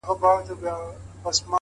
هره شېبه د مثبت بدلون امکان لري.!